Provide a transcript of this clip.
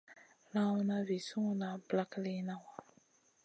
Lawna vi sunguda ɓlak liyna wa.